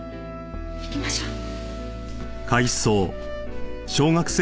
行きましょう。